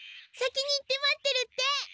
先に行って待ってるって。